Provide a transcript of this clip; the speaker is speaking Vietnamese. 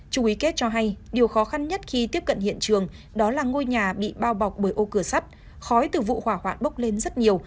trung ý kết cho hay điều khó khăn nhất khi tiếp cận hiện trường đó là ngôi nhà bị bao bọc bởi ô cửa sắt khói từ vụ hỏa hoạn bốc lên rất nhiều